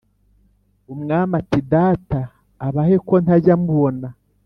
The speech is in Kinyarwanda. Umwami ati «data abahe ko ntajya mubona?»